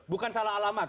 bukan salah alamat